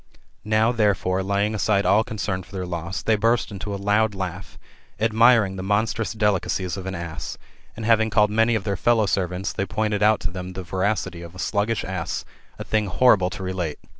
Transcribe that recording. Now, therefore, laying aside all concern of their loss, they burst into a loud laugh, admiring the monstrous^^ delicacies of an ass ; and having called many of their fellow servants, they pointed out to them the voracity of a sluggish ass, a thing horrible to relate.